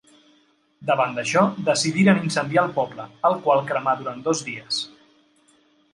Davant d'això, decidiren incendiar el poble, el qual cremà durant dos dies.